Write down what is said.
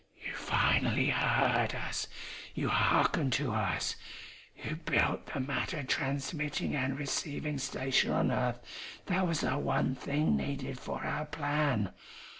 You finally heard us, you hearkened to us, you built the matter transmitting and receiving station on earth that was the one thing needed for our plan.